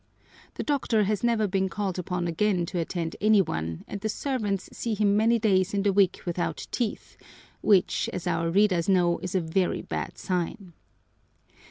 The doctor has never been called upon again to attend any one and the servants see him many days in the week without teeth, which, as our readers know, is a very bad sign.